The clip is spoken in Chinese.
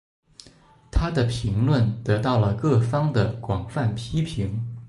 她的评论得到了各方的广泛批评。